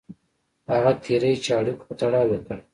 هغه تېري چې اړیکو په تړاو یې کړي.